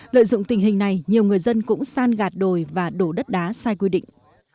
lợi dụng tình hình này nhiều người dân cũng san gạt đồi và đổ đất đá sai quy định